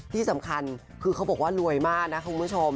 ที่สำคัญคือเขาบอกว่ารวยมากนะคุณผู้ชม